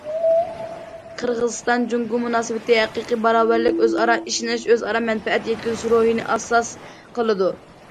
قىرغىزىستان- جۇڭگو مۇناسىۋىتى ھەقىقىي باراۋەرلىك، ئۆزئارا ئىشىنىش، ئۆزئارا مەنپەئەت يەتكۈزۈش روھىنى ئاساس قىلىدۇ.